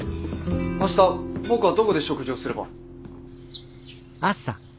明日僕はどこで食事をすれば。